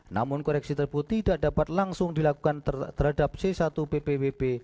dan koreksi tersebut tidak dapat langsung dilakukan terhadap c satu pwp